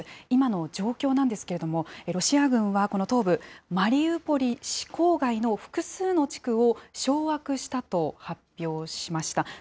今の状況なんですけれども、ロシア軍はこの東部、マリウポリ市郊外の複数の地区を掌握したと発表しました。